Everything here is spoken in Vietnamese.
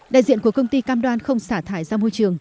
đại diện của công ty cam đoan không xả thải ra môi trường